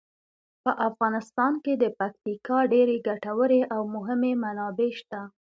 په افغانستان کې د پکتیکا ډیرې ګټورې او مهمې منابع شته.